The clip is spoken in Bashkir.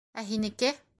Ә һинеке...